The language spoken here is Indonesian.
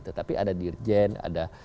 tetapi ada dirjen ada